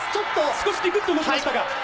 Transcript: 「少しピクッと動きましたが」